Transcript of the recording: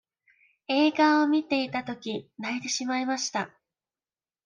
映画を見ていたとき、泣いてしまいました。